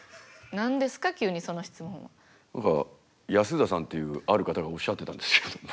何か安田さんというある方がおっしゃってたんですけれども。